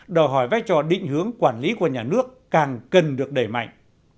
đòi hỏi vai trò định hướng quản lý của nhà nước càng cần được đẩy mạnh